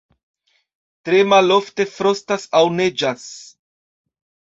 Tre malofte frostas aŭ neĝas.